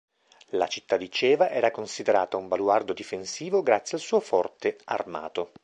La città di Ceva era considerata un baluardo difensivo grazie al suo forte armato.